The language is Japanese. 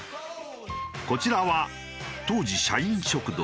こちらは当時社員食堂。